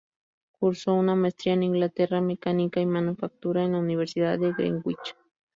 Cursó una maestría en Ingeniería Mecánica y Manufactura en la Universidad de Greenwich.